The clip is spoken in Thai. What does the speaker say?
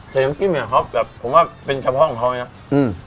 แต่ยังกินเนี้ยเขาแบบผมว่าเป็นเฉพาะของเขาเนี้ยอืม